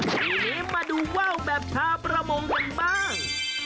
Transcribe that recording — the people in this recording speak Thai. ทีนี้มาดูว่าวแบบชาวประมงกันบ้าง